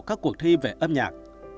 các cuộc thi về âm nhạc